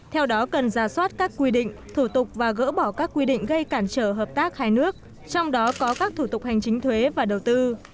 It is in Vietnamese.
theo đó cần ra soát các quy định thủ tục và gỡ bỏ các quy định gây cản trở hợp tác hai nước trong đó có các thủ tục hành chính thuế và đầu tư